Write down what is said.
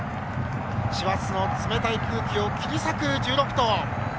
師走の冷たい空気を切り裂く１６頭。